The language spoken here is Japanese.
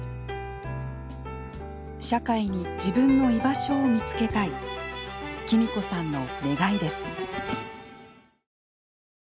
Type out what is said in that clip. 社会に自分の居場所を見つけたいきみこさんの願いです。